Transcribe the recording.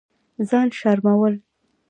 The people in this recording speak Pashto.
ځان شرمول